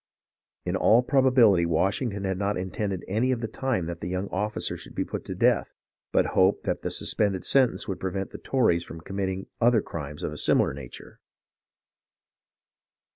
In all probability Washington had not intended any of the time that the young officer should suffer death, but hoped that the suspended sentence would prevent the Tories from committing other crimes of a similar nature.